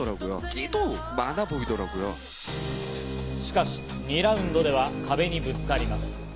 しかし２ラウンドでは壁にぶつかります。